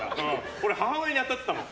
俺、母親に当たってたもん。